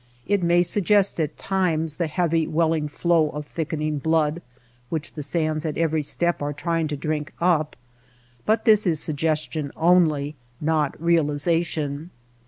It may suggest at times the heavy welling flow of thickening THE SILENT RIVER 67 blood which the sands at every step are trying to drink up ; but this is suggestion only^ not realization.